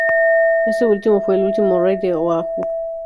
Este último fue el último rey de Oahu.